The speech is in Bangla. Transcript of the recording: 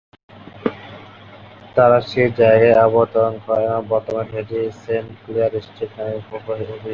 তারা যে জায়গায় অবতরণ করে, বর্তমানে সেটি সেন্ট ক্লেয়ার স্ট্রিট নামে অভিহিত।